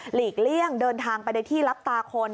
ลีกเลี่ยงเดินทางไปในที่รับตาคน